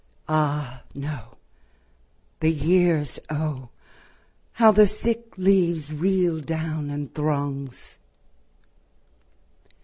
. Ah, no; the years O! How the sick leaves reel down in throngs!